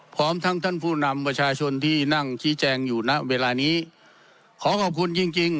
พร้อมทั้งท่านผู้นำประชาชนที่นั่งชี้แจงอยู่ณเวลานี้ขอขอบคุณจริงจริง